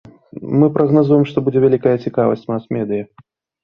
Мы прагназуем, што будзе вялікая цікавасць мас-медыя.